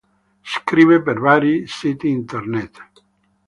Scrive per vari siti internet.